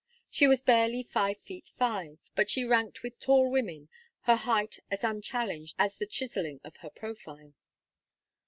She was barely five feet five, but she ranked with tall women, her height as unchallenged as the chiselling of her profile.